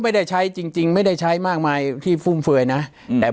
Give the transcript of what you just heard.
ไม่ได้ใช้จริงไม่ได้ใช้มากมายที่ฟุ่มเฟย์นะอืมแต่